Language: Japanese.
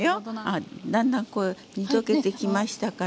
あっだんだんこれ煮溶けてきましたからね